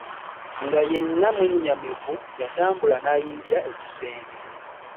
Nga yenna mwennyamivu yatambula n'ayingira ekisenge.